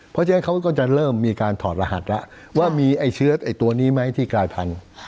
เพราะฉะนั้นเขาก็จะเริ่มมีการถอดรหัสแล้วว่ามีไอ้เชื้อตัวนี้ไหมที่กลายพันธุ์